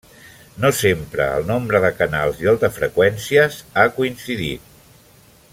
No sempre el nombre de canals i el de freqüències ha coincidit.